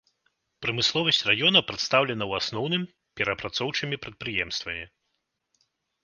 Прамысловасць раёна прадстаўлена ў асноўным перапрацоўчымі прадпрыемствамі.